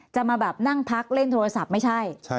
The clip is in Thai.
จะมาแบบนั่งพักเล่นโทรศัพท์ไม่ใช่